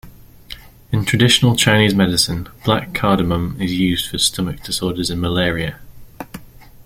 In traditional Chinese medicine, black cardamom is used for stomach disorders and malaria.